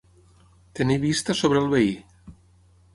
Tenir vista sobre el veí.